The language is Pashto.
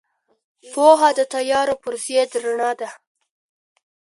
پوهه د تیارو پر ضد رڼا ده.